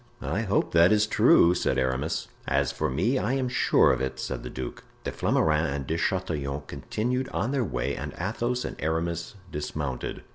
"I hope that is true," said Aramis. "As for me, I am sure of it," said the duke. De Flamarens and De Chatillon continued on their way and Athos and Aramis dismounted.